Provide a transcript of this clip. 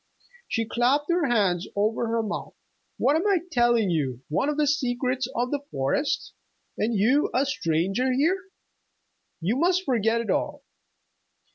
She clapped her hands over her mouth. "What am I telling you, one of the secrets of the forest, and you a stranger here? You must forget it all.